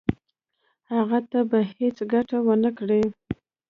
هغه ته به هیڅ ګټه ونه کړي.